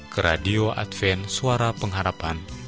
ke radio adven suara pengharapan